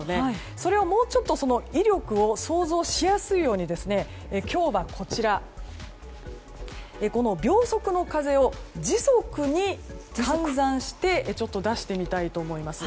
それをもうちょっと威力を想像しやすいように今日は秒速の風を時速に換算して出してみたいと思います。